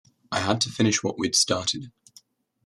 I had to finish what we'd started.